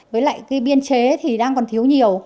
cái biên chế thì đang còn thiếu nhiều